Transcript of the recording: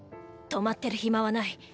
止まってる暇はない。